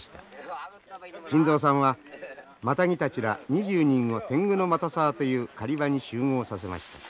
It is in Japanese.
金蔵さんはマタギたちら２０人を天狗ノ又沢という狩り場に集合させました。